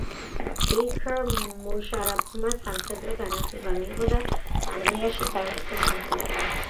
იქ მუშარაფმა სამხედრო განათლება მიიღო და არმიაში დაიწყო სამსახური.